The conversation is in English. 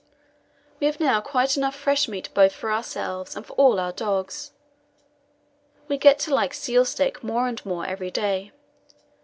We have now quite enough fresh meat both for ourselves and for all our dogs. We get to like seal steak more and more every day.